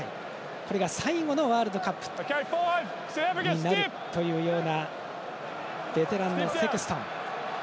これが最後のワールドカップになるというようなベテランのセクストン。